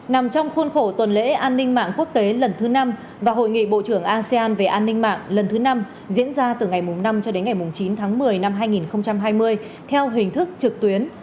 nằm trong khuôn khổ tuần lễ an ninh mạng quốc tế lần thứ năm và hội nghị bộ trưởng asean về an ninh mạng lần thứ năm diễn ra từ ngày năm cho đến ngày chín tháng một mươi năm hai nghìn hai mươi theo hình thức trực tuyến